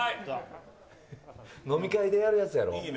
飲み会でやるやつやろ？